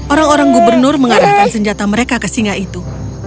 orang orang gubernur mengarahkan senjata mereka ke singa itu